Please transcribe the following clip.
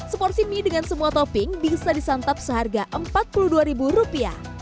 seporsi mie dengan semua topping bisa disantap seharga empat puluh dua ribu rupiah